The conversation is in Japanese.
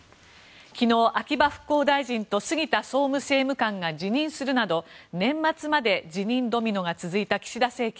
昨日、秋葉復興大臣と杉田総務政務官が辞任するなど年末まで辞任ドミノが続いた岸田政権。